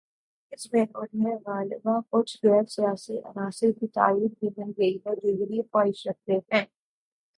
اس میں انہیں غالباکچھ غیر سیاسی عناصر کی تائید بھی مل گئی ہے" جو یہی خواہش رکھتے ہیں۔